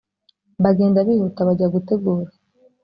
bagenda bihuta bajya gutegura